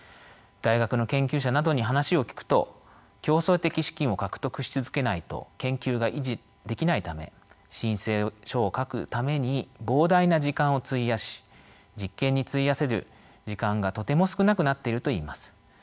大学の研究者などに話を聞くと競争的資金を獲得し続けないと研究が維持できないため申請書を書くために膨大な時間を費やし実験に費やせる時間がとても少なくなっているといいます。